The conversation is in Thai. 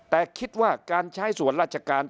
แต่คิดว่าการใช้ส่วนราชการ